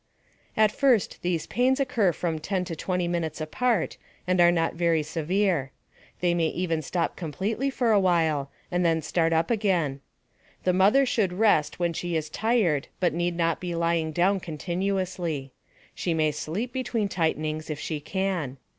At first these pains occur from 10 to 20 minutes apart and are not very severe. They may even stop completely for a while and then start up again. The mother should rest when she is tired but need not be lying down continuously. She may sleep between tightenings if she can.